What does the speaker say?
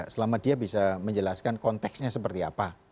selama dia bisa menjelaskan konteksnya seperti apa